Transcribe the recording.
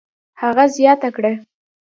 هغه زیاته کړه: